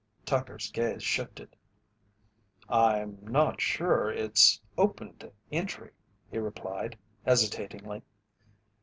Tucker's gaze shifted. "I'm not sure it's open to entry," he replied, hesitatingly.